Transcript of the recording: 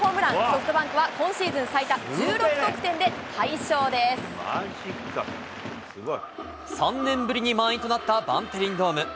ソフトバンクは今シーズン最多１６得点で、３年ぶりに満員となったバンテリンドーム。